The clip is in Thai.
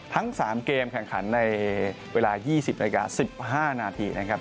ทั้ง๓เกมแข่งขันในเวลา๒๐นาฬิกา๑๕นาทีนะครับ